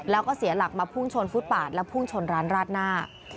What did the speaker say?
แล้วก็เสียหลักมาพุ่งชนฟุตปาดและพุ่งชนร้านราดหน้า